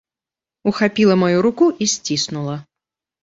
Ухапіла маю руку і сціснула.